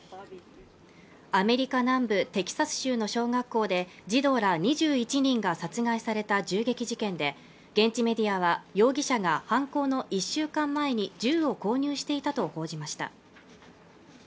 アメリカ南部テキサス州の小学校で児童ら２１人が殺害された銃撃事件で現地メディアは容疑者が犯行の１週間前に銃を購入していたと報じました